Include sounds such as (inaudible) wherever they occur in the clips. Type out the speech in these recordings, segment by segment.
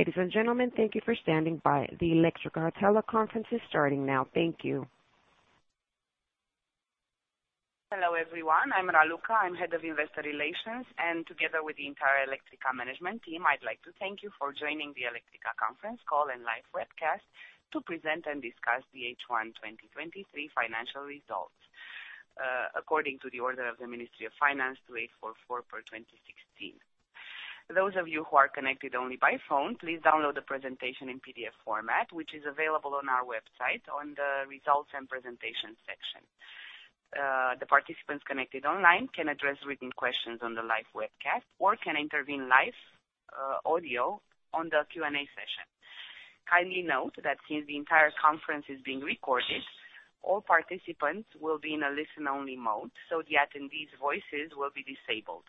Ladies and gentlemen, thank you for standing by. The Electrica teleconference is starting now. Thank you. Hello, everyone. I'm Raluca, I'm Head of Investor Relations, and together with the entire Electrica management team, I'd like to thank you for joining the Electrica conference call and live webcast to present and discuss the H1 2023 financial results, according to the order of the Ministry of Finance, 2844/2016. Those of you who are connected only by phone, please download the presentation in PDF format, which is available on our website on the Results and Presentation section. The participants connected online can address written questions on the live webcast or can intervene live audio on the Q&A session. Kindly note that since the entire conference is being recorded, all participants will be in a listen-only mode, so the attendees' voices will be disabled.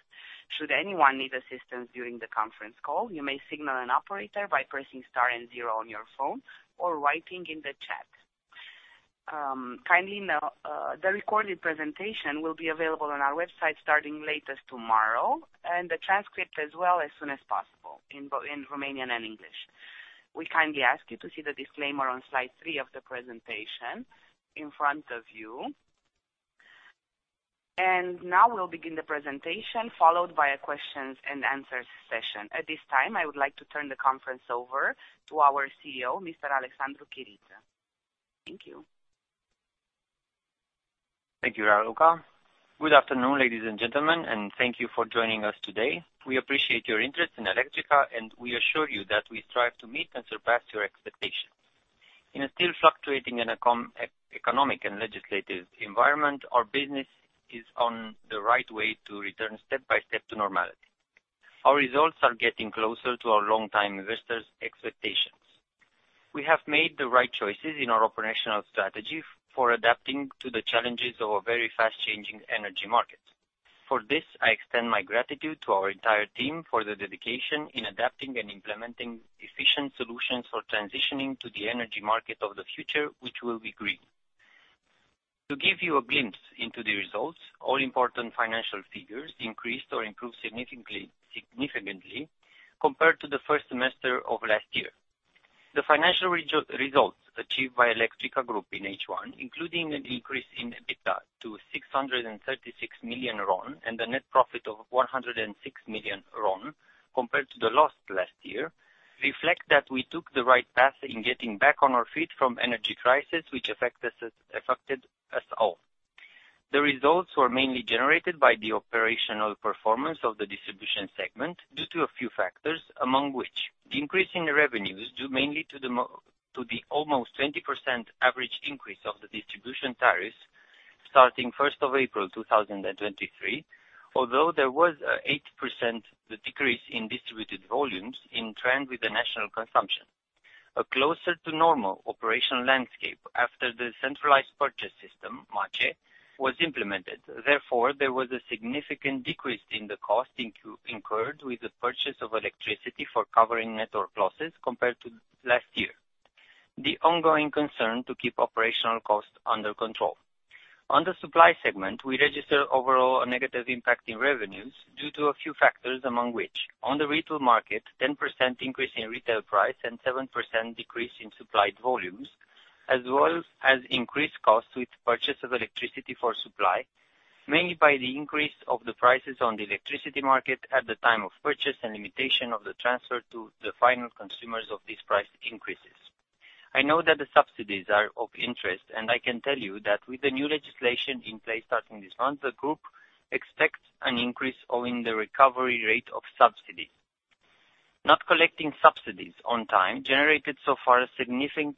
Should anyone need assistance during the conference call, you may signal an operator by pressing star and zero on your phone or writing in the chat. Kindly note the recorded presentation will be available on our website starting late as tomorrow, and the transcript as well, as soon as possible in both Romanian and English. We kindly ask you to see the disclaimer on slide three of the presentation in front of you. Now we'll begin the presentation, followed by a questions and answers session. At this time, I would like to turn the conference over to our CEO, Mr. Alexandru Chiriță. Thank you. Thank you, Raluca. Good afternoon, ladies and gentlemen, and thank you for joining us today. We appreciate your interest in Electrica, and we assure you that we strive to meet and surpass your expectations. In a still fluctuating economic and legislative environment, our business is on the right way to return step by step to normality. Our results are getting closer to our long-time investors' expectations. We have made the right choices in our operational strategy for adapting to the challenges of a very fast-changing energy market. For this, I extend my gratitude to our entire team for their dedication in adapting and implementing efficient solutions for transitioning to the energy market of the future, which will be green. To give you a glimpse into the results, all important financial figures increased or improved significantly compared to the first semester of last year. The financial results achieved by Electrica group in H1, including an increase in EBITDA to RON 636 million, and a net profit of RON 106 million compared to the last year, reflect that we took the right path in getting back on our feet from energy crisis, which affected us all. The results were mainly generated by the operational performance of the distribution segment, due to a few factors, among which the increase in revenues, due mainly to the almost 20% average increase of the distribution tariffs, starting first of April 2023. Although there was an 8% decrease in distributed volumes in trend with the national consumption. A closer to normal operational landscape after the centralized purchase system, MACI, was implemented. Therefore, there was a significant decrease in the cost incurred with the purchase of electricity for covering network losses compared to last year. The ongoing concern to keep operational costs under control. On the supply segment, we registered overall a negative impact in revenues due to a few factors, among which: on the retail market, 10% increase in retail price and 7% decrease in supplied volumes, as well as increased costs with purchase of electricity for supply, mainly by the increase of the prices on the electricity market at the time of purchase, and limitation of the transfer to the final consumers of these price increases. I know that the subsidies are of interest, and I can tell you that with the new legislation in place starting this month, the group expects an increase owing to the recovery rate of subsidies. Not collecting subsidies on time generated so far a significant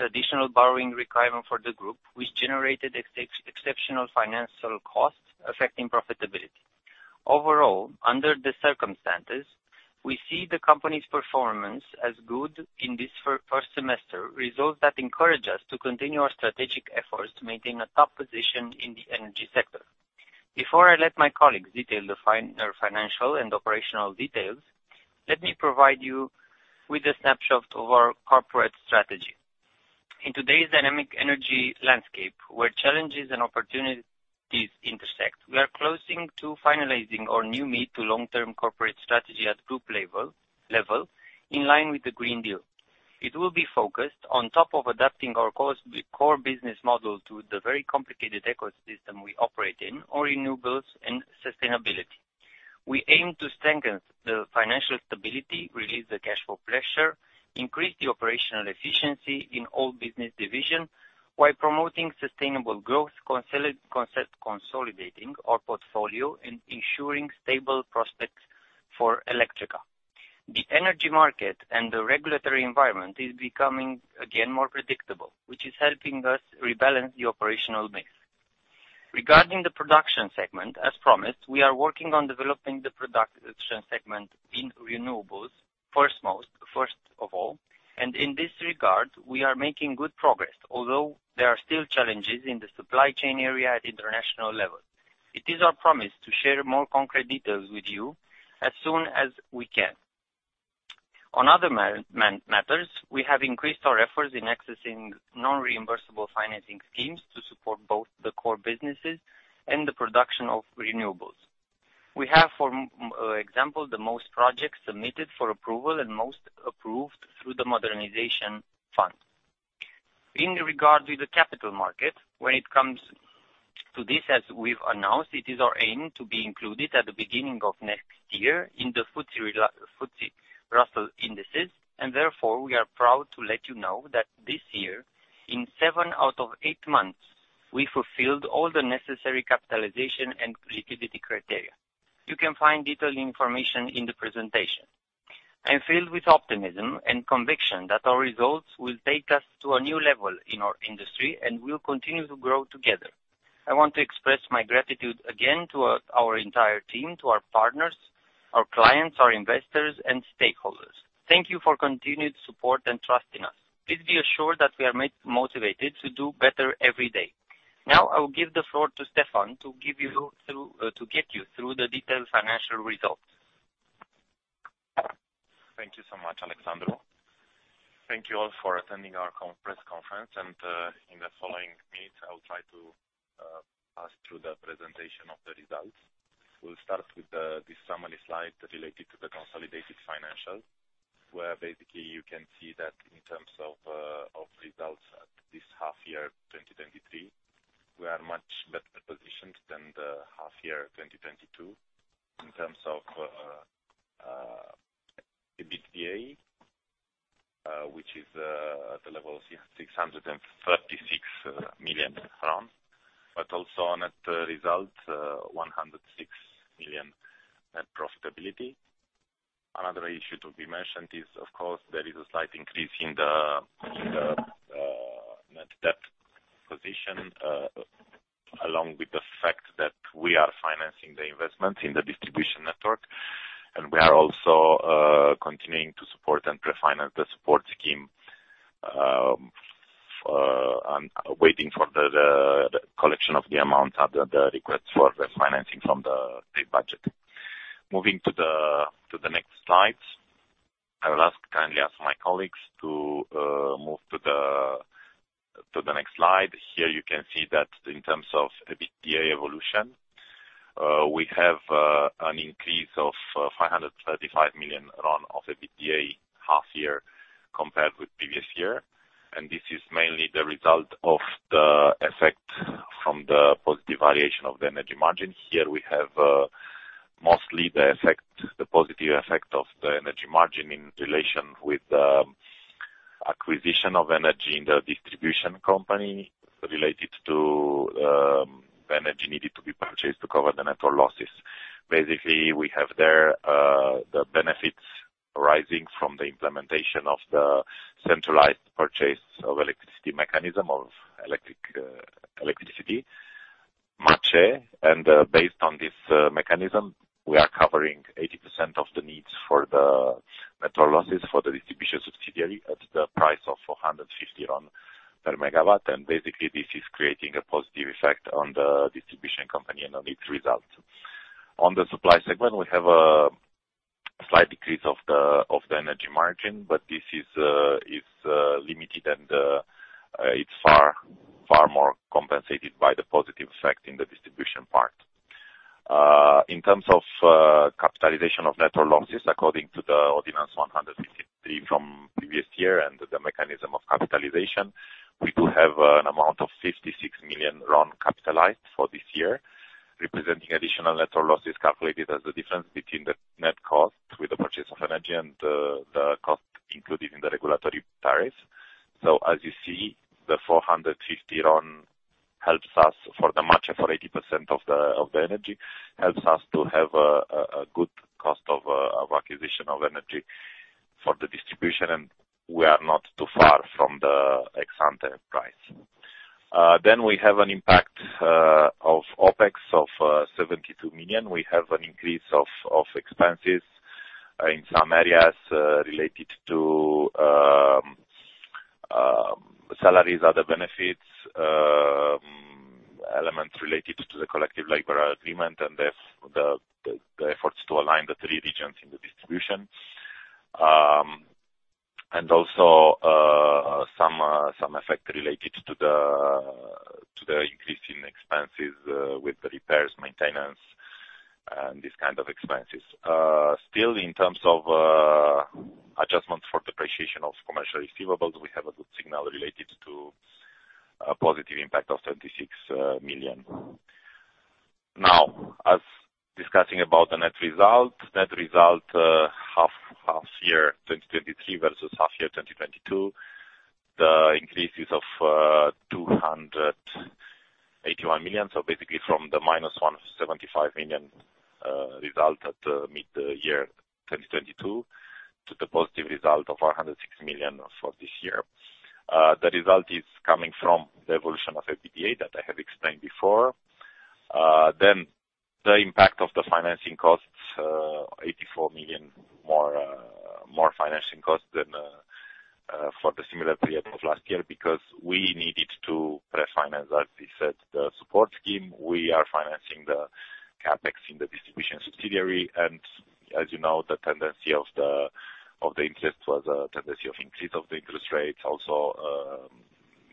additional borrowing requirement for the group, which generated exceptional financial costs, affecting profitability. Overall, under the circumstances, we see the company's performance as good in this first semester, results that encourage us to continue our strategic efforts to maintain a top position in the energy sector. Before I let my colleagues detail our financial and operational details, let me provide you with a snapshot of our corporate strategy. In today's dynamic energy landscape, where challenges and opportunities intersect, we are close to finalizing our new mid- to long-term corporate strategy at group level, in line with the Green Deal. It will be focused on top of adapting our core business model to the very complicated ecosystem we operate in, our renewables and sustainability. We aim to strengthen the financial stability, relieve the cash flow pressure, increase the operational efficiency in all business division, while promoting sustainable growth, consolidating our portfolio and ensuring stable prospects for Electrica. The energy market and the regulatory environment is becoming, again, more predictable, which is helping us rebalance the operational mix. Regarding the production segment, as promised, we are working on developing the production segment in renewables, first of all, and in this regard, we are making good progress, although there are still challenges in the supply chain area at international level. It is our promise to share more concrete details with you as soon as we can. On other matters, we have increased our efforts in accessing non-reimbursable financing schemes to support both the core businesses and the production of renewables. We have, for example, the most projects submitted for approval and most approved through the Modernization Fund. In regard with the capital market, when it comes to this, as we've announced, it is our aim to be included at the beginning of next year in the FTSE Russell indices, and therefore, we are proud to let you know that this year, in seven out of eight months, we fulfilled all the necessary capitalization and liquidity criteria. You can find detailed information in the presentation. I'm filled with optimism and conviction that our results will take us to a new level in our industry and will continue to grow together. I want to express my gratitude again to our entire team, to our partners, our clients, our investors and stakeholders. Thank you for continued support and trust in us. Please be assured that we are motivated to do better every day. Now, I will give the floor to Ștefan to get you through the detailed financial results. Thank you so much, Alexandru. Thank you all for attending our press conference, and in the following minutes, I will try to pass through the presentation of the results. We'll start with the summary slide related to the consolidated financials, where basically you can see that in terms of results at this half year 2023, we are much better positioned than the half year 2022, in terms of EBITDA, which is at the level of RON 636 million, but also on net result, RON 106 million net profitability. Another issue to be mentioned is, of course, there is a slight increase in the net debt position, along with the fact that we are financing the investment in the distribution network, and we are also continuing to support and pre-finance the support scheme, and waiting for the collection of the amount of the request for refinancing from the state budget. Moving to the next slide. I will kindly ask my colleagues to move to the next slide. Here you can see that in terms of the EBITDA evolution, we have an increase of RON 535 million of EBITDA half year compared with previous year. And this is mainly the result of the effect from the positive variation of the energy margin. Here we have mostly the effect, the positive effect of the energy margin in relation with acquisition of energy in the distribution company, related to energy needed to be purchased to cover the network losses. Basically, we have there the benefits arising from the implementation of the centralized purchase of electricity mechanism, of electric electricity, MACEE. And based on this mechanism, we are covering 80% of the needs for the network losses for the distribution subsidiary at the price of 450 RON per megawatt. And basically, this is creating a positive effect on the distribution company and on its results. On the supply segment, we have a slight decrease of the energy margin, but this is limited and it's far more compensated by the positive effect in the distribution part. In terms of capitalization of network losses, according to the Ordinance 153 from previous year and the mechanism of capitalization, we do have an amount of RON 56 million capitalized for this year, representing additional network losses calculated as the difference between the net cost with the purchase of energy and the cost included in the regulatory tariff. So as you see, the RON 450 helps us for the margin, for 80% of the energy. Helps us to have a good cost of acquisition of energy for the distribution, and we are not too far from the ex-ante price. Then we have an impact of OpEx of RON 72 million. We have an increase of expenses in some areas related to salaries, other benefits, elements related to the collective labor agreement and the efforts to align the three regions in the distribution. And also some effect related to the increase in expenses with the repairs, maintenance, and these kind of expenses. Still, in terms of adjustments for depreciation of commercial receivables, we have a good signal related to a positive impact of RON 26 million. Now, as discussing about the net result, half year 2023 versus half year 2022, the increase is of RON 281 million. So basically from the -RON 175 million result at mid-year 2022, to the positive result of RON 106 million for this year. The result is coming from the evolution of EBITDA, that I have explained before. Then the impact of the financing costs, RON 84 million more financing costs than for the similar period of last year, because we needed to prefinance, as we said, the support scheme. We are financing the CapEx in the distribution subsidiary, and as you know, the tendency of the interest was a tendency of increase of the interest rates. Also,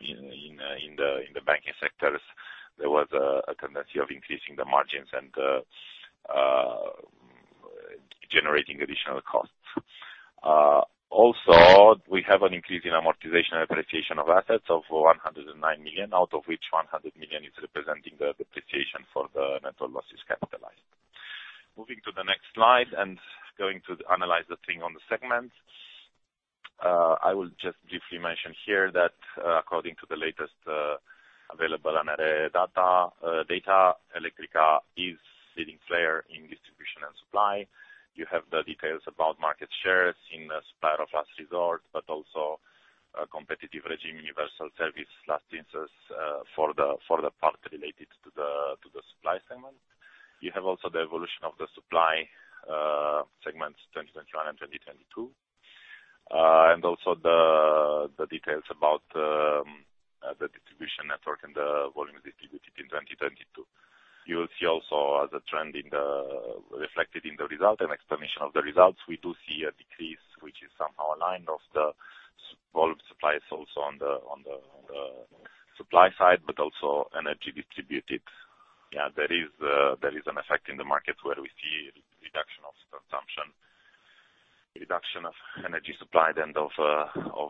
in the banking sectors, there was a tendency of increasing the margins, and generating additional costs. Also, we have an increase in amortization and depreciation of assets of RON 109 million, out of which RON 100 million is representing the depreciation for the network losses capitalized. Moving to the next slide and going to analyze the thing on the segment. I will just briefly mention here that, according to the latest available data, Electrica is a key player in distribution and supply. You have the details about market shares in the supplier of last resort, but also a competitive regime, universal service licensing, for the part related to the supply segment. You have also the evolution of the supply segment, 2021 and 2022. And also the details about the distribution network and the volume distributed in 2022. You will see also the trend, reflected in the result and explanation of the results. We do see a decrease, which is somehow aligned, of the volume supplies also on the supply side, but also energy distributed. Yeah, there is an effect in the market where we see reduction of consumption, reduction of energy supplied and of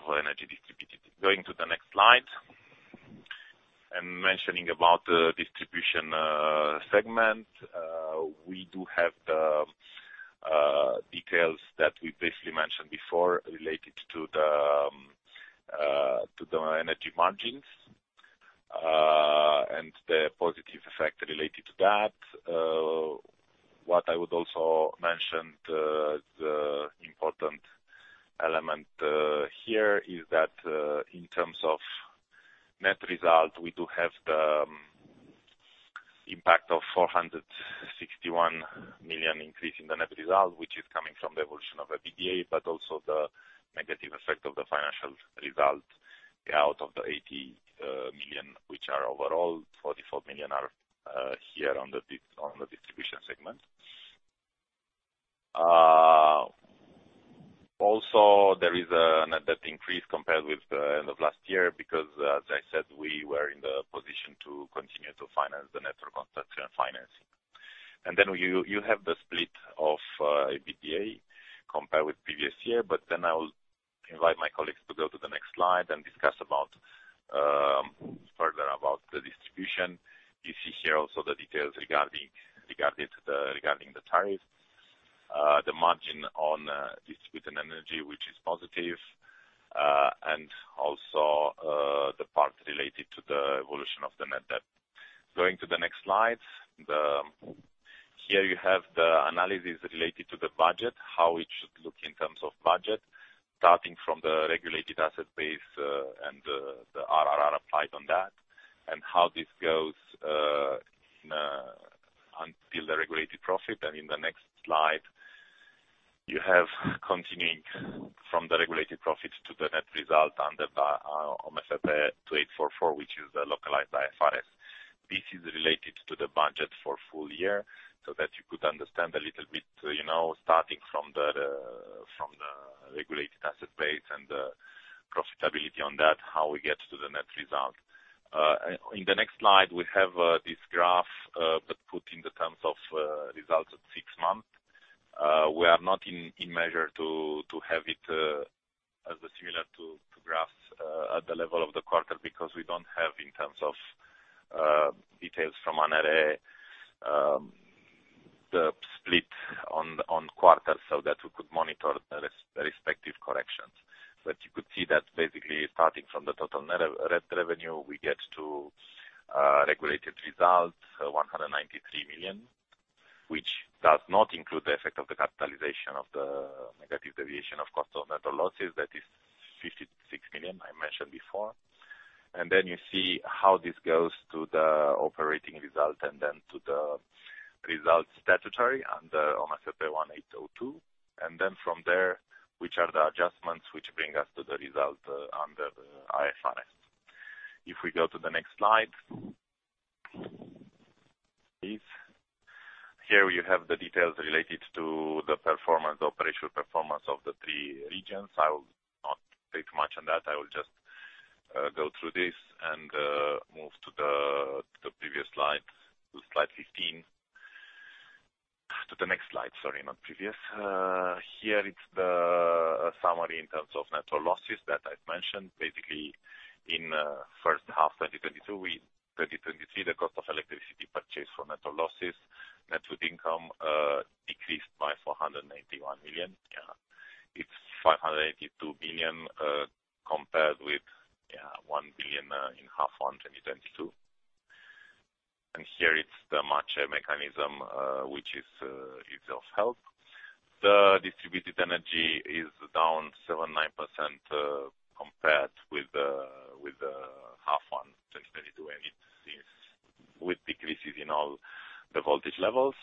energy distributed. Going to the next slide. And mentioning about the distribution segment, we do have the details that we basically mentioned before related to the energy margins, and the positive effect related to that. What I would also mention, the important element here is that, in terms of net result, we do have the impact of RON 461 million increase in the net result, which is coming from the evolution of the EBITDA, but also the negative effect of the financial result out of the RON 80 million, which are overall RON 44 million are here on the distribution segment. Also, there is a net debt increase compared with the end of last year, because as I said, we were in the position to continue to finance the network construction and financing. And then you have the split of EBITDA compared with previous year, but then I will invite my colleagues to go to the next slide and discuss about further about the distribution. You see here also the details regarding the tariff, the margin on distributed energy, which is positive, and also the part related to the evolution of the net debt. Going to the next slide. Here you have the analysis related to the budget, how it should look in terms of budget, starting from the regulated asset base, and the RRR applied on that, and how this goes in until the regulated profit. In the next slide, you have continuing from the regulated profits to the net result under the OMFP 2844, which is the localized IFRS. This is related to the budget for full year, so that you could understand a little bit, you know, starting from the regulated asset base and the profitability on that, how we get to the net result. In the next slide, we have this graph, but put in the terms of results at six months. We are not in measure to have it as similar to to graphs at the level of the quarter, because we don't have in terms of details from ANRE, the split on quarters, so that we could monitor the respective corrections. But you could see that basically starting from the total net revenue, we get to regulated results, RON 193 million, which does not include the effect of the capitalization of the negative deviation of cost or net losses. That is RON 56 million, I mentioned before. And then you see how this goes to the operating result and then to the statutory results and the OMFP 1802. And then from there, which are the adjustments which bring us to the result under the IFRS. If we go to the next slide, please. Here we have the details related to the performance, operational performance of the three regions. I will not take much on that. I will just go through this and move to the previous slide, to slide 15. To the next slide, sorry, not previous. Here it's the summary in terms of net losses that I've mentioned. Basically, in first half 2023, the cost of electricity purchased for net losses, net income, decreased by RON 491 million. Yeah, it's RON 582 billion, compared with, yeah, RON 1 billion, in H1 2022. And here it's the MACEE mechanism, which is of help. The distributed energy is down 7.9%, compared with the H1 2022, and it is with decreases in all the voltage levels.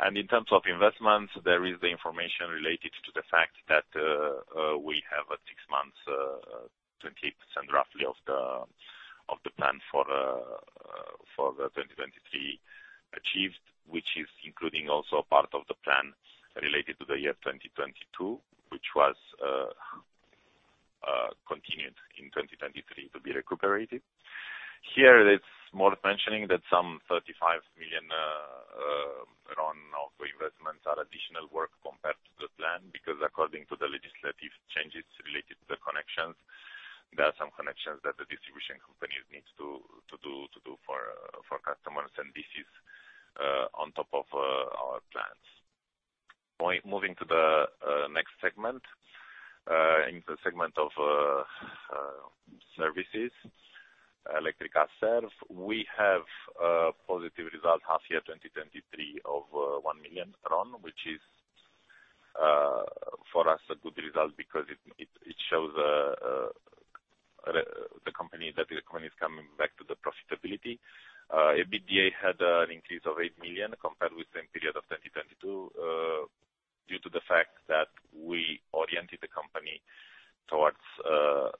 In terms of investments, there is the information related to the fact that we have a six months 20%, roughly, of the plan for the 2023 achieved, which is including also part of the plan related to the year 2022, which was continued in 2023 to be recuperated. Here, it's worth mentioning that around RON 35 million of investments are additional work compared to the plan, because according to the legislative changes related to the connections, there are some connections that the distribution companies needs to do for customers, and this is on top of our plans. Moving to the next segment. In the segment of services, Electrica Serv, we have a positive result, half year 2023 of RON 1 million, which is for us a good result because it shows the company that the company is coming back to the profitability. EBITDA had an increase of RON 8 million compared with the same period of 2022, due to the fact that we oriented the company towards the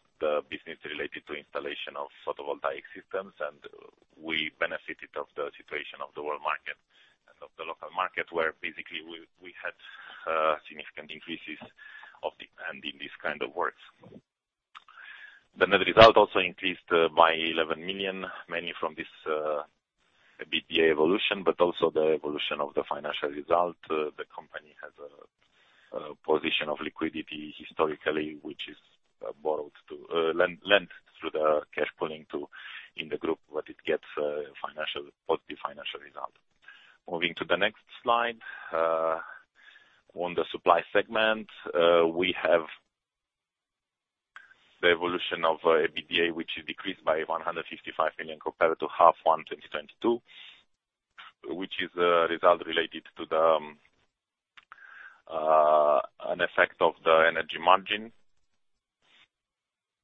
business related to installation of photovoltaic systems, and we benefited of the situation of the world market and of the local market, where basically we had significant increases of demand in these kind of works. The net result also increased by RON 11 million, mainly from this EBITDA evolution, but also the evolution of the financial result. The company has a position of liquidity historically, which is borrowed to lend, lent through the cash pooling to in the group, but it gets financial, positive financial result. Moving to the next slide. On the supply segment, we have the evolution of EBITDA, which is decreased by RON 155 million compared to H1 2022, which is a result related to the an effect of the energy margin.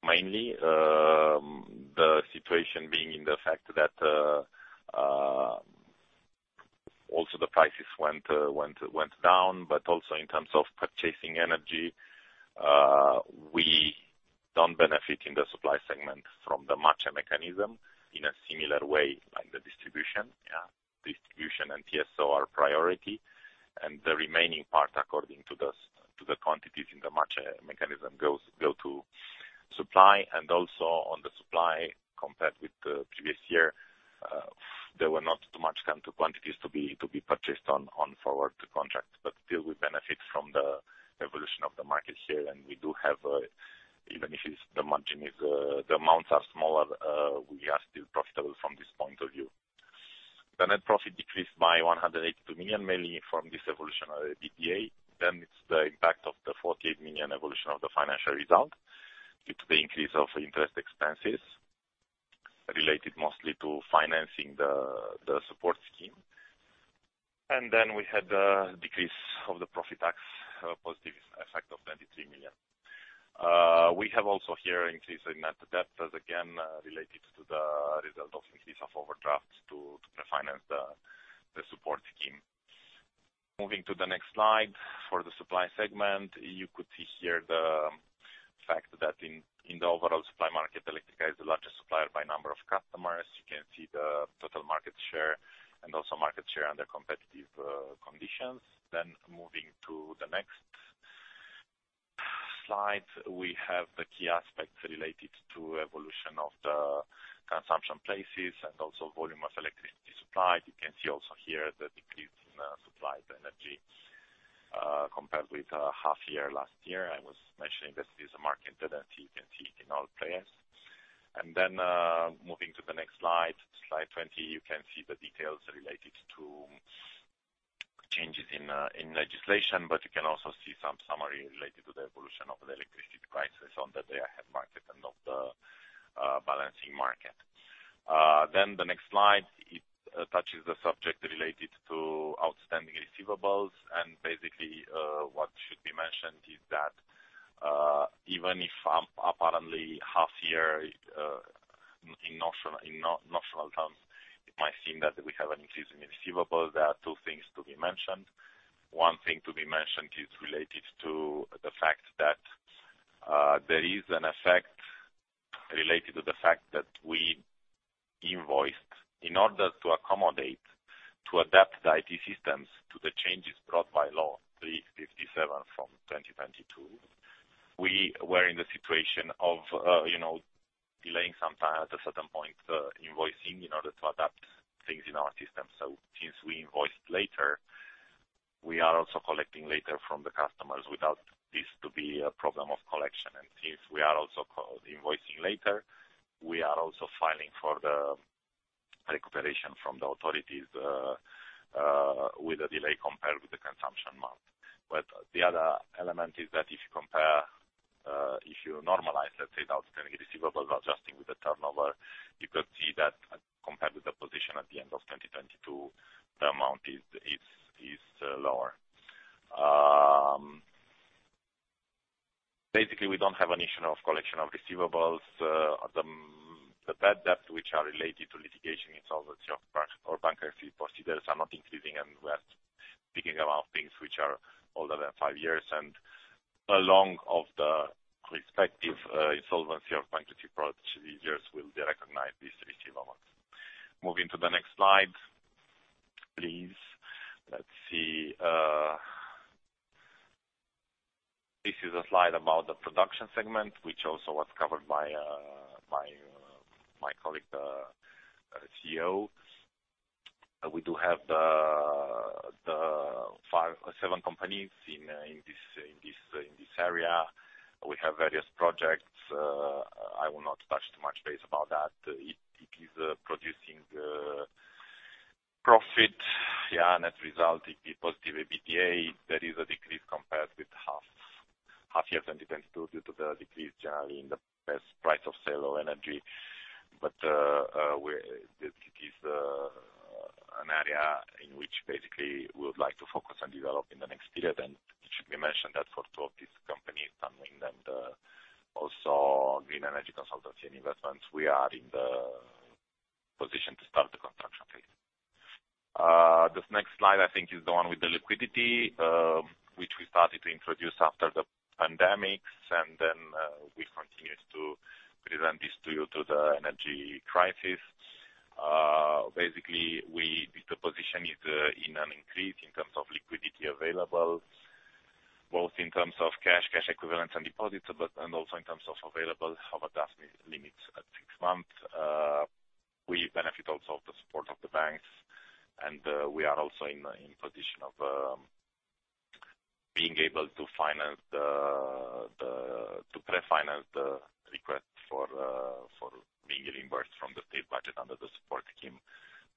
Mainly, the situation being in the fact that also the prices went down, but also in terms of purchasing energy, we don't benefit in the supply segment from the MACEE mechanism in a similar way on the distribution. Yeah, distribution and TSO are priority, and the remaining part, according to the to the quantities in the MACEE mechanism, goes to supply. And also on the supply, compared with the previous year, there were not too much quantities to be purchased on forward to contract, but still we benefit from the evolution of the market share. And we do have, even if it's the margin is, the amounts are smaller, we are still profitable from this point of view. The net profit decreased by RON 182 million, mainly from this evolution of EBITDA. Then it's the impact of the RON 48 million evolution of the financial result, due to the increase of interest expenses related mostly to financing the support scheme. And then we had a decrease of the profit tax, a positive effect of RON 23 million. We have also here increase in net debt, as again, related to the result of increase of overdraft to, to refinance the, the support scheme. Moving to the next slide. For the supply segment, you could see here the fact that in, in the overall supply market, Electrica is the largest supplier by number of customers. You can see the total market share and also market share under competitive conditions. Then moving to the next slide, we have the key aspects related to evolution of the consumption places and also volume of electricity supplied. You can see also here the decrease in supplied energy compared with half year last year. I was mentioning this is a market identity, you can see it in all players. And then, moving to the next slide, slide 20, you can see the details related to changes in, in legislation, but you can also see some summary related to the evolution of the electricity prices on the day ahead market and of the, balancing market. Then the next slide, it touches the subject related to outstanding receivables. And basically, what should be mentioned is that, even if apparently, half year, in notional, in non-notional terms, it might seem that we have an increase in receivables. There are two things to be mentioned. One thing to be mentioned is related to the fact that, there is an effect related to the fact that we invoiced... In order to accommodate, to adapt the IT systems to the changes brought by Law 357 from 2022, we were in the situation of, you know, delaying sometime at a certain point, the invoicing, in order to adapt things in our system. So since we invoiced later, we are also collecting later from the customers without this to be a problem of collection. And since we are also invoicing later, we are also filing for the recuperation from the authorities, with a delay compared with the consumption month. But the other element is that if you compare, if you normalize, let's say, the outstanding receivables, adjusting with the turnover, you could see that compared with the position at the end of 2022, the amount is lower. Basically, we don't have an issue of collection of receivables. The bad debt, which are related to litigation, insolvency, or bankruptcy procedures, are not increasing, and we are speaking about things which are older than five years. Along with the respective insolvency or bankruptcy procedures will recognize these receivables. Moving to the next slide, please. Let's see. This is a slide about the production segment, which also was covered by my colleague CEO. We do have the five to seven companies in this area. We have various projects. I will not touch too much base about that. It is producing profit. Yeah, net result, it is positive EBITDA. There is a decrease compared with half year 2022, due to the decrease generally in the price of sale of energy. But it is an area in which basically we would like to focus and develop in the next period. And it should be mentioned that for two of these companies, and also Green Energy Consultancy and Investments, we are in the position to start the construction phase. This next slide, I think, is the one with the liquidity, which we started to introduce after the pandemics, and then we continued to present this to you to the energy crisis. Basically, the position is in an increase in terms of liquidity available, both in terms of cash, cash equivalents, and deposits, but and also in terms of available overdraft limits at six months. We benefit also of the support of the banks, and, we are also in a, in position of, being able to finance the, to pre-finance the request for, for being reimbursed from the state budget under the support scheme.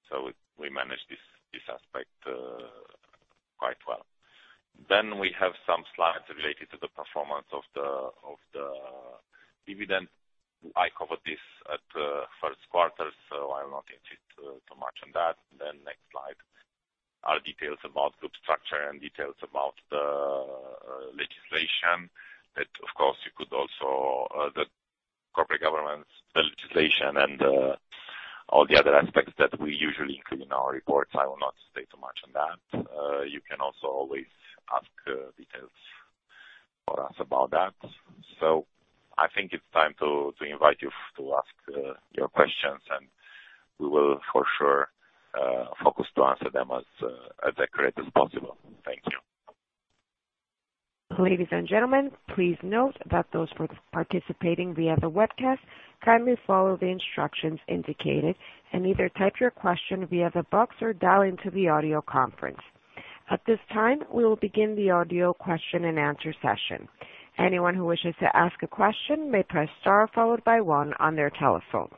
So we manage this aspect quite well. Then we have some slides related to the performance of the dividend. I covered this at the first quarter, so I will not enter too much on that. Then next slide are details about group structure and details about the legislation. That, of course, you could also, the corporate governance, the legislation and, all the other aspects that we usually include in our reports. I will not stay too much on that. You can also always ask details for us about that. I think it's time to invite you to ask your questions, and we will for sure focus to answer them as accurate as possible. Thank you. Ladies and gentlemen, please note that those participating via the webcast, kindly follow the instructions indicated, and either type your question via the box or dial into the audio conference. At this time, we will begin the audio question and answer session. Anyone who wishes to ask a question may press star, followed by one on their telephone.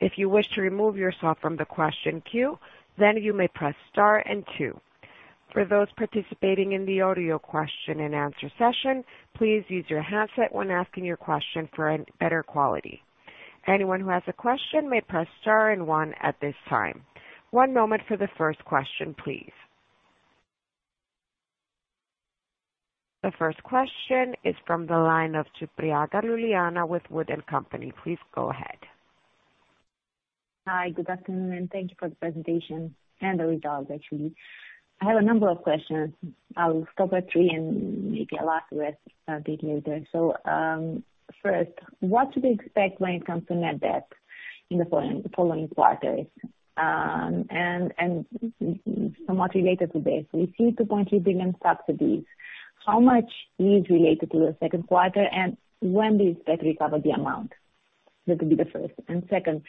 If you wish to remove yourself from the question queue, then you may press star and two. For those participating in the audio question and answer session, please use your handset when asking your question for a better quality. Anyone who has a question may press star and one at this time. One moment for the first question, please. The first question is from the line of Ciopraga Liliana with WOOD & Company. Please go ahead. Hi, good afternoon, and thank you for the presentation and the results, actually. I have a number of questions. I will stop at three and maybe I'll ask the rest a bit later. So, first, what should we expect when it comes to net debt in the following quarters? And somewhat related to this, we see RON 2.3 billion subsidies. How much is related to the second quarter, and when do you expect to recover the amount? That will be the first. And second,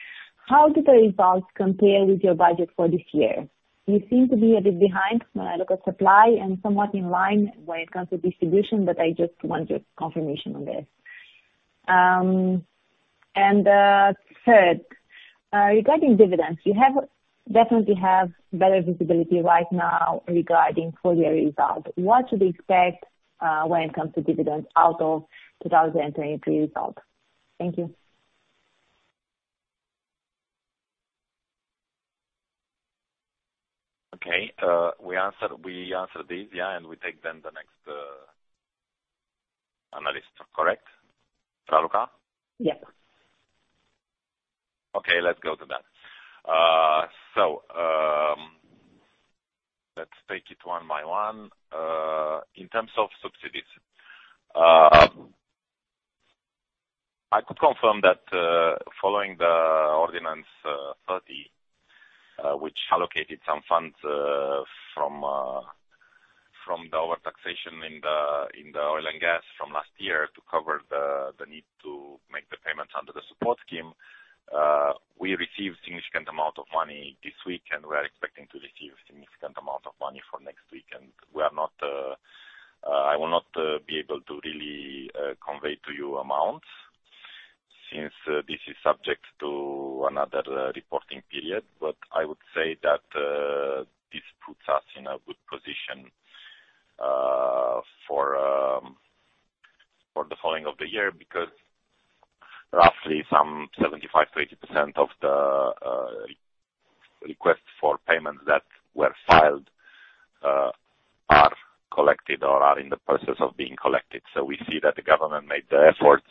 how did the results compare with your budget for this year? You seem to be a bit behind when I look at supply and somewhat in line when it comes to distribution, but I just want your confirmation on this. And third, regarding dividends, you definitely have better visibility right now regarding full year results. What should we expect, when it comes to dividends out of 2023 results? Thank you. Okay, we answered, we answered this, yeah, and we take then the next analyst, correct? Raluca? Yes. Okay, let's go to that. So, let's take it one by one. In terms of subsidies, I could confirm that, following the ordinance 30, which allocated some funds from the over taxation in the oil and gas from last year to cover the need to make the payments under the support scheme, we received significant amount of money this week, and we are expecting to receive significant amount of money for next week. And we are not, I will not be able to really convey to you amounts, since this is subject to another reporting period. But I would say that this puts us in a good position for the following of the year, because roughly some 75%-80% of the request for payments that were filed are collected or are in the process of being collected. So we see that the government made the efforts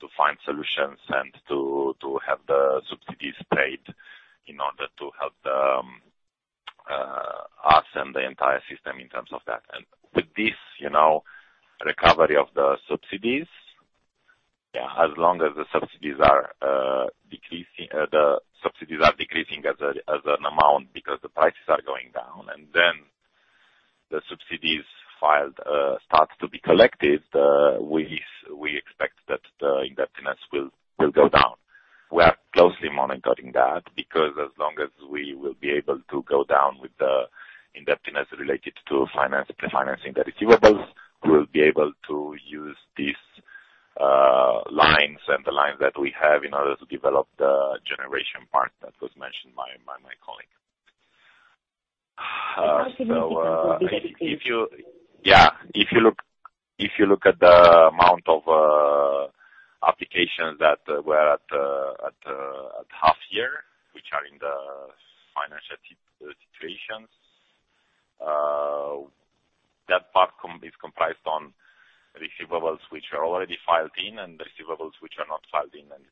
to find solutions and to have the subsidies paid in order to help us and the entire system in terms of that. And with this, you know, recovery of the subsidies-... Yeah, as long as the subsidies are decreasing, the subsidies are decreasing as an amount because the prices are going down, and then the subsidies filed starts to be collected, we expect that the indebtedness will go down. We are closely monitoring that, because as long as we will be able to go down with the indebtedness related to finance, the financing the receivables, we'll be able to use these, lines and the lines that we have in order to develop the generation part that was mentioned by, by my colleague. So, if you- yeah, if you look, if you look at the amount of, applications that were at, at half year, which are in the financial situation, that part is comprised on receivables, which are already filed in, and receivables which are not filed in, and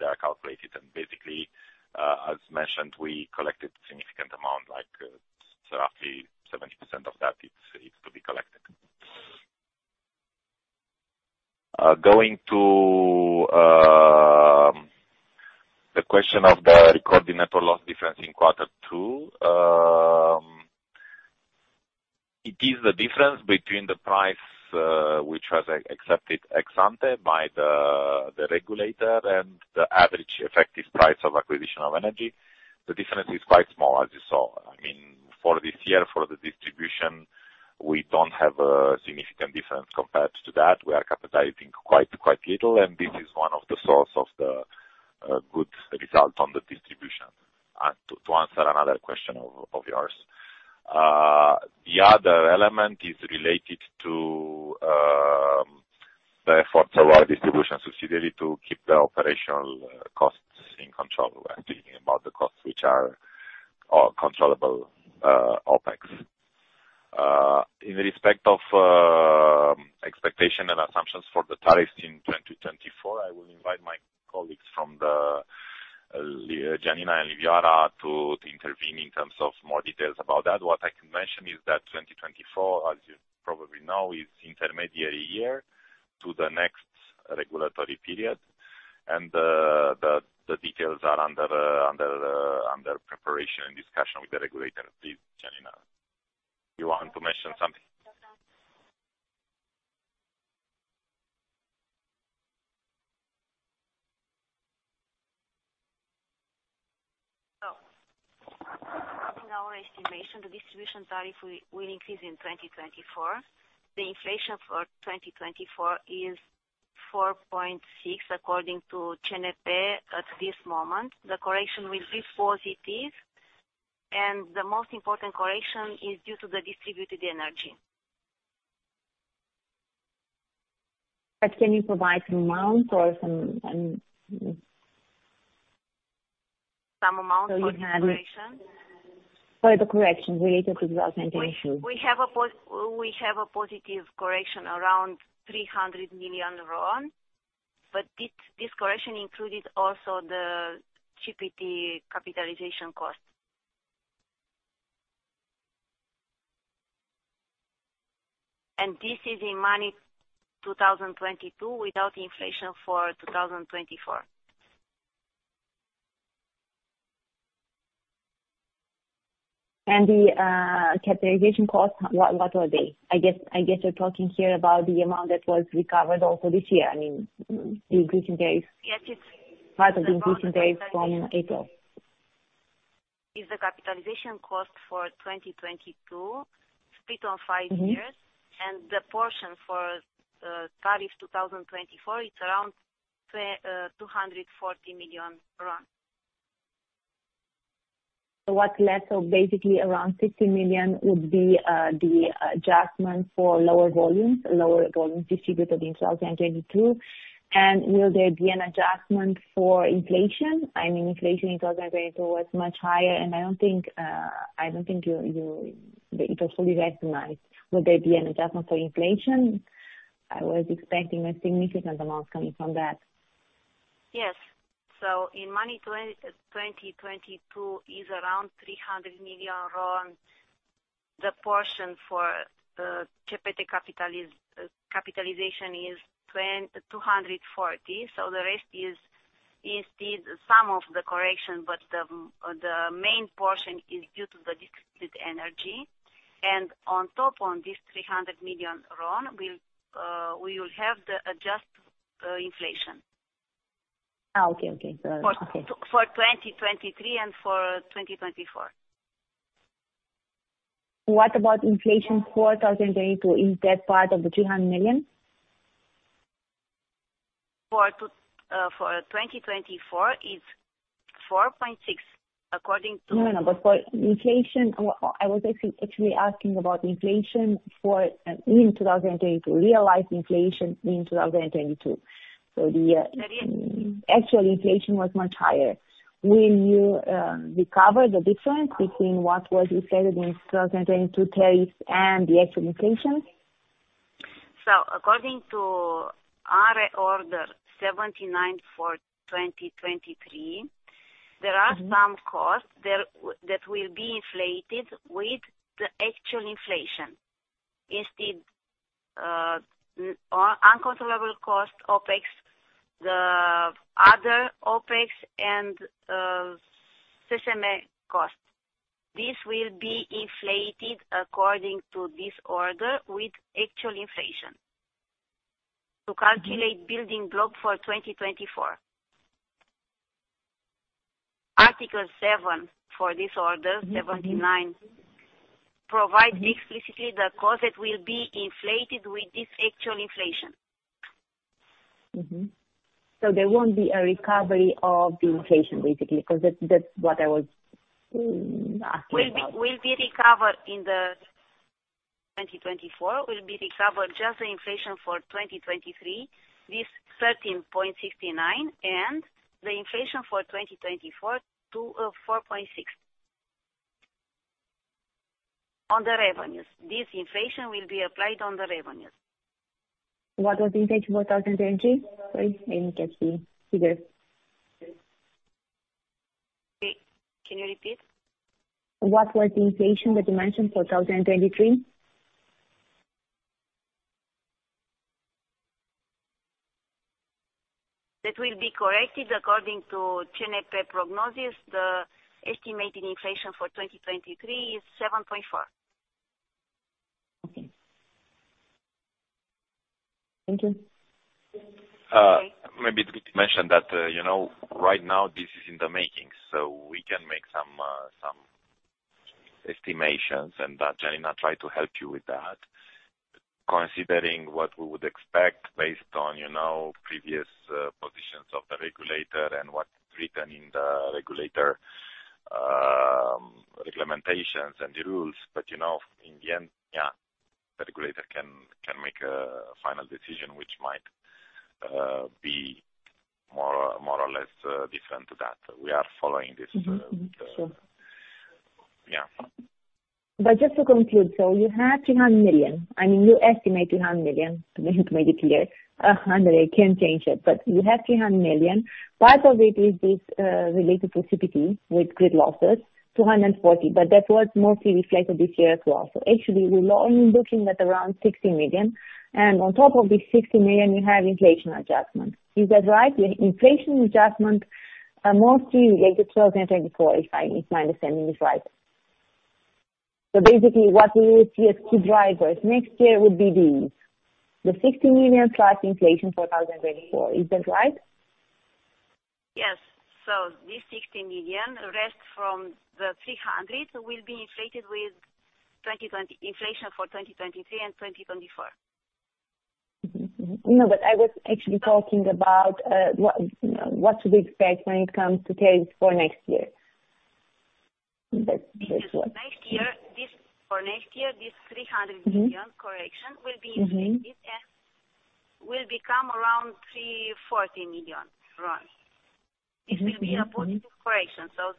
they are calculated. And basically, as mentioned, we collected significant amount, like, roughly 70% of that is, is to be collected. Going to the question of the recorded net loss difference in quarter two, it is the difference between the price, which was accepted ex ante by the regulator and the average effective price of acquisition of energy. The difference is quite small, as you saw. I mean, for this year, for the distribution, we don't have a significant difference compared to that. We are capitalizing quite little, and this is one of the source of the good result on the distribution. To answer another question of yours, the other element is related to the efforts of our distribution subsidiary to keep the operational costs in control. We're talking about the costs which are controllable, OpEx. In respect of expectation and assumptions for the tariffs in 2024, I will invite my colleagues from the Janina and Livioara to intervene in terms of more details about that. What I can mention is that 2024, as you probably know, is intermediary year to the next regulatory period, and the details are under preparation and discussion with the regulator. Please, Janina, you want to mention something? So in our estimation, the distribution tariff will increase in 2024. The inflation for 2024 is 4.6, according to CNP at this moment. The correction will be positive, and the most important correction is due to the distributed energy. Can you provide some amount or some? Some amount for the correction? For the correction related to the inflation. We have a positive correction around RON 300 million, but this correction included also the CPT capitalization cost. This is in money 2022, without the inflation for 2024. The capitalization costs, what were they? I guess you're talking here about the amount that was recovered also this year, I mean, the increasing days. Yes, it's- Part of the increasing days from April. Is the capitalization cost for 2022, split on 5 years? Mm-hmm. and the portion for tariff 2024, it's around RON 240 million. So what else? So basically, around RON 50 million would be the adjustment for lower volumes, lower volumes distributed in 2022. And will there be an adjustment for inflation? I mean, inflation in 2022 was much higher, and I don't think you... It was fully recognized. Would there be an adjustment for inflation? I was expecting a significant amount coming from that. Yes. So in 2022 is around RON 300 million. The portion for CPT capitalization is 240. So the rest is indeed some of the correction, but the main portion is due to the decreased energy. And on top of this RON 300 million, we will have the adjustment inflation. Ah, okay, okay. So, okay. For 2023 and for 2024. What about inflation for 2022? Is that part of the RON 300 million? For 2024 is 4.6, according to- No, no, but for inflation, I was actually asking about inflation for in 2022, realized inflation in 2022. So the- I did. Actual inflation was much higher. Will you recover the difference between what was decided in 2022 tariffs and the actual inflation? According to our Order 79 for 2023, there are- Mm-hmm Some costs there that will be inflated with the actual inflation. Instead, uncontrollable cost OPEX, the other OPEX and SMA cost. This will be inflated according to this order, with actual inflation. To calculate building block for 2024. Article seven for this order, 79, provide explicitly the cost that will be inflated with this actual inflation. Mm-hmm. So there won't be a recovery of the inflation, basically, 'cause that, that's what I was asking about. Will be recovered in 2024, will be recovered just the inflation for 2023, this 13.69, and the inflation for 2024 to 4.6. On the revenues, this inflation will be applied on the revenues. What was the inflation for 2023? Sorry, I didn't catch the figure. Can you repeat? What was the inflation that you mentioned for 2023? It will be corrected according to CNP prognosis. The estimated inflation for 2023 is 7.4%. Okay. Thank you. Maybe it's good to mention that, you know, right now, this is in the making, so we can make some estimations, and Jelena tried to help you with that. Considering what we would expect based on, you know, previous positions of the regulator and what's written in the regulator, implementations and the rules. But, you know, in the end, yeah, the regulator can make a final decision, which might be more or less different to that. We are following this. Mm-hmm. Sure. Yeah. But just to conclude, so you have RON 300 million. I mean, you estimate RON 300 million, to make, make it clear. Uh, hundred, I can't change it, but you have RON 300 million. Part of it is this, uh, related to CPT with grid losses, 240, but that was mostly reflected this year as well. So actually, we're only looking at around RON 60 million, and on top of this RON 60 million, you have inflation adjustment. Is that right? The inflation adjustment are mostly related to 2024, if I, if my understanding is right. So basically, what we will see as key drivers next year would be these: the RON 60 million plus inflation for 2024. Is that right? Yes. So this RON 60 million, rest from the RON 300, will be inflated with 2020 inflation for 2023 and 2024. Mm-hmm. No, but I was actually talking about what to expect when it comes to tariffs for next year. That, that's what- For next year, this RON 300 million- Mm-hmm. Correction will be inflated. Mm-hmm. will become around RON 340 million. Mm-hmm. It will be a positive correction, so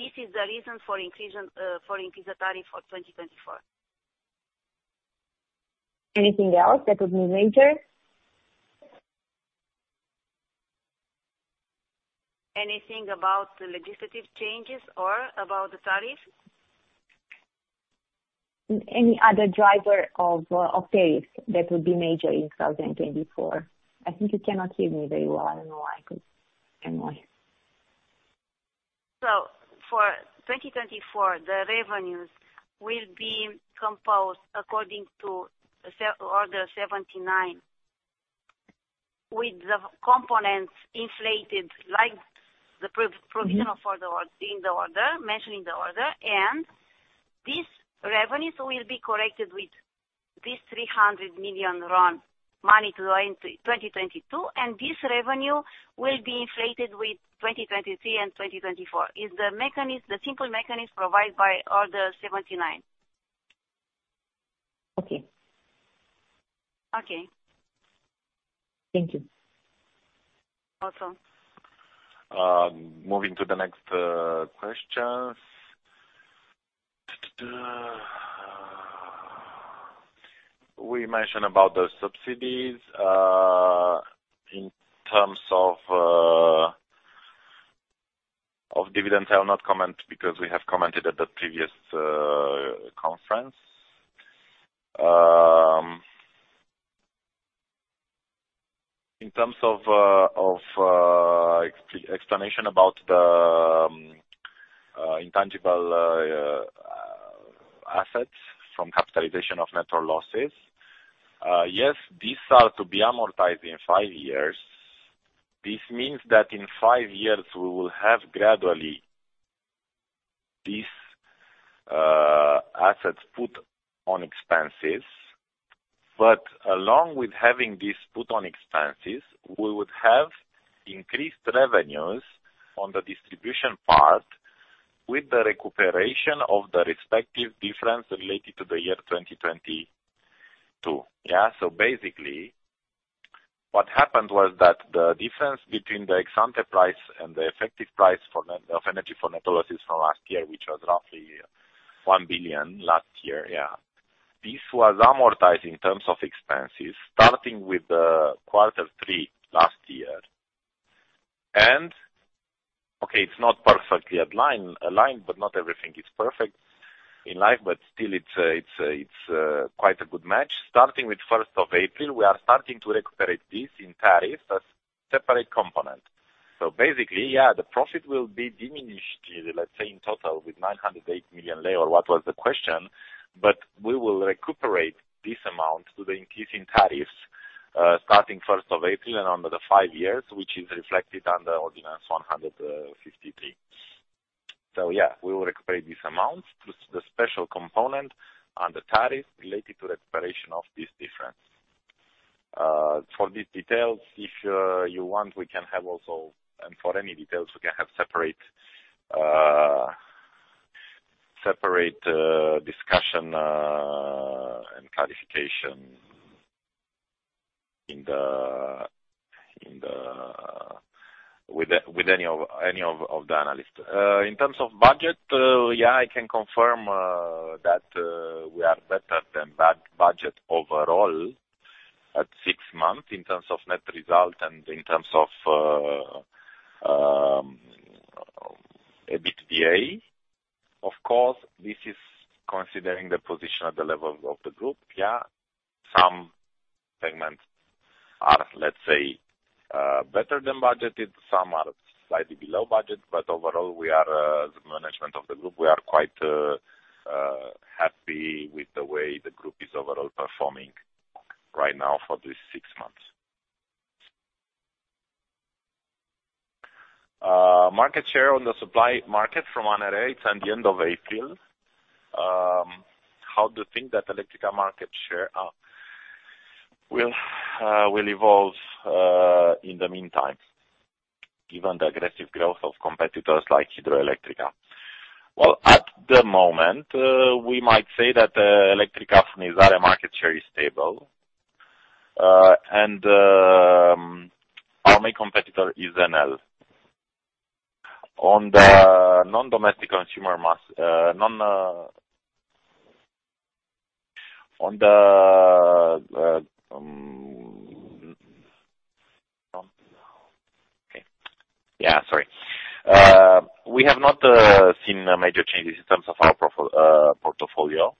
this is the reason for increase the tariff for 2024. Anything else that would be major? Anything about the legislative changes or about the tariffs? Any other driver of, of tariffs that would be major in 2024? I think you cannot hear me very well. I don't know why, because anyway. So for 2024, the revenues will be composed according to order 79, with the components inflated, like the provision- Mm-hmm For the order, in the order, mentioned in the order, and these revenues will be corrected with this RON 300 million money to into 2022, and this revenue will be inflated with 2023 and 2024. Is the mechanism, the simple mechanism provided by order 79. Okay. Okay. Thank you. Awesome. Moving to the next questions. We mentioned about the subsidies. In terms of dividends, I will not comment because we have commented at the previous conference. In terms of explanation about the intangible assets from capitalization of network losses, yes, these are to be amortized in five years. This means that in five years we will have gradually these assets put on expenses. But along with having these put on expenses, we would have increased revenues on the distribution part, with the recuperation of the respective difference related to the year 2022. Yeah, so basically, what happened was that the difference between the ex-ante price and the effective price for the energy for net losses from last year, which was roughly RON 1 billion last year. Yeah. This was amortized in terms of expenses, starting with the quarter three last year. Okay, it's not perfectly aligned, but not everything is perfect in life, but still it's quite a good match. Starting with first of April, we are starting to recuperate this in tariff, as separate component. So basically, yeah, the profit will be diminished, let's say, in total, with RON 908 million or what was the question, but we will recuperate this amount to the increase in tariffs, starting first of April and under the five years, which is reflected under Ordinance 153. So yeah, we will recuperate this amount through the special component on the tariff related to the expiration of this difference. For these details, if you want, we can have also... For any details, we can have separate discussion and clarification with any of the analysts. In terms of budget, yeah, I can confirm that we are better than budget overall, at six months in terms of net result and in terms of EBITDA. Of course, this is considering the position at the level of the group, yeah. Some segments are, let's say, better than budgeted, some are slightly below budget, but overall, we are the management of the group, we are quite happy with the way the group is overall performing right now for this six months. Market share on the supply market from (inaudible) and the end of April. How do you think that Electrica market share will evolve in the meantime, given the aggressive growth of competitors like Hidroelectrica? Well, at the moment, we might say that Electrica Muntenia market share is stable, and our main competitor is Enel. On the non-domestic consumer mass. Okay. Yeah, sorry. We have not seen major changes in terms of our portfolio.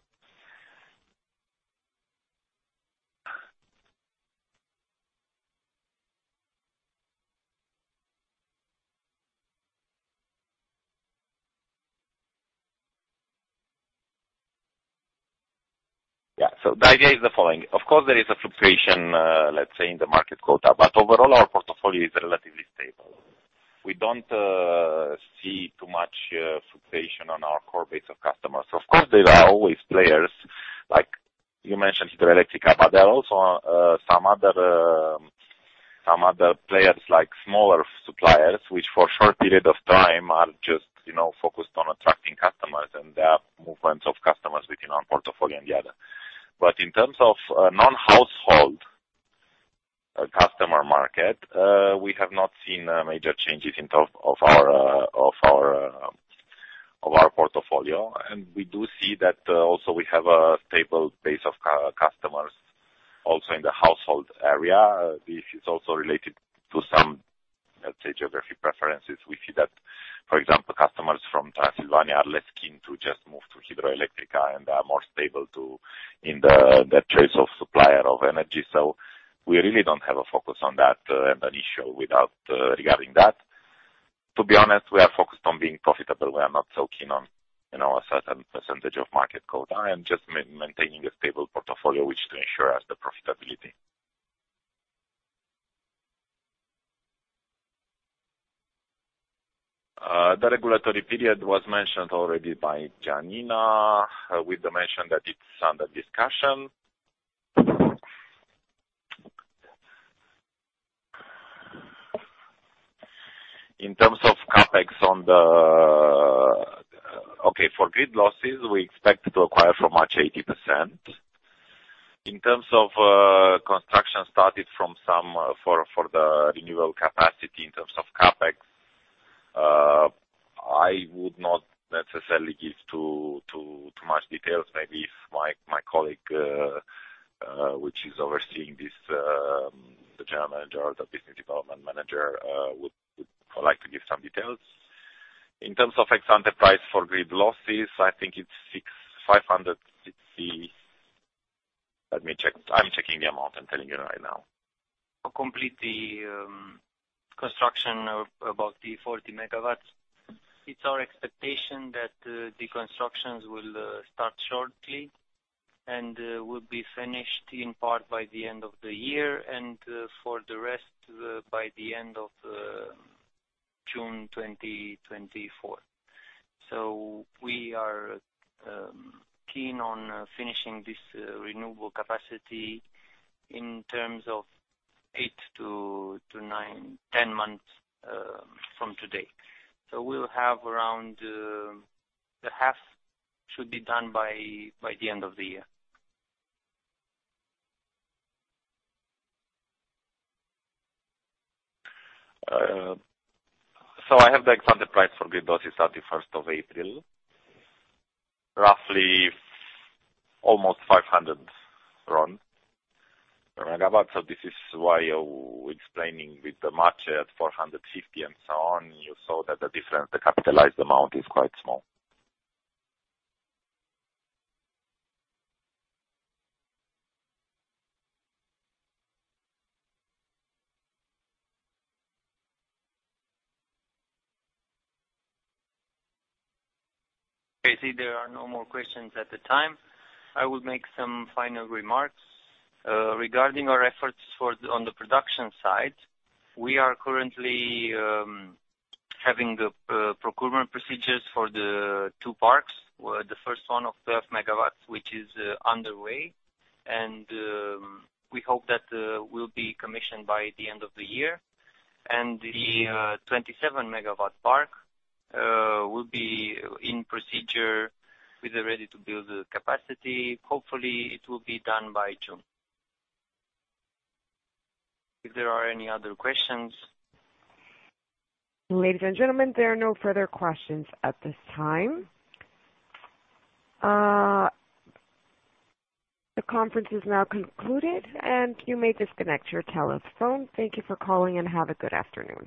Yeah, so the idea is the following: Of course, there is a fluctuation, let's say, in the market quota, but overall, our portfolio is relatively stable. We don't see too much fluctuation on our core base of customers. Of course, there are always players, like you mentioned, Hidroelectrica, but there are also some other players, like smaller suppliers, which for a short period of time are just, you know, focused on attracting customers, and there are movements of customers between our portfolio and the other. But in terms of non-household customer market, we have not seen major changes in terms of our portfolio, and we do see that also we have a stable base of customers also in the household area. This is also related to some, let's say, geographic preferences. We see that, for example, customers from Transylvania are less keen to just move to Hidroelectrica and are more stable in the choice of supplier of energy. So we really don't have a focus on that, and an issue without, regarding that. To be honest, we are focused on being profitable. We are not so keen on, you know, a certain percentage of market quota, and just maintaining a stable portfolio, which to ensure us the profitability. The regulatory period was mentioned already by Janina, with the mention that it's under discussion. In terms of CapEx on the... for grid losses, we expect to acquire from March, 80%. In terms of, construction started from some, for, for the renewable capacity in terms of CapEx, I would not necessarily give too, too, too much details. Maybe if my colleague, which is overseeing this, the general manager or the business development manager, would like to give some details. In terms of ex-ante price for grid losses, I think it's RON 656... Let me check. I'm checking the amount and telling you right now. To complete the construction of about the 40 MW, it's our expectation that the constructions will start shortly and will be finished in part by the end of the year, and for the rest by the end of June 2024. So we are keen on finishing this renewable capacity in terms of 8-10 months from today. So we'll have around the half should be done by the end of the year. So, I have the ex-ante price for grid losses at the first of April, roughly almost 500 RON per megawatt. So this is why you're explaining with the March at RON 450 and so on, you saw that the difference, the capitalized amount is quite small. I see there are no more questions at the time. I will make some final remarks. Regarding our efforts for the... On the production side, we are currently having the procurement procedures for the two parks, where the first one of 12 MW, which is underway, and we hope that will be commissioned by the end of the year. And the 27 MW park will be in procedure with the ready-to-build capacity. Hopefully, it will be done by June. If there are any other questions? Ladies and gentlemen, there are no further questions at this time. The conference is now concluded, and you may disconnect your telephone. Thank you for calling, and have a good afternoon.